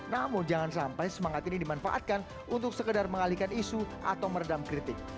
namun jangan sampai semangat ini dimanfaatkan untuk sekedar mengalihkan isu atau meredam kritik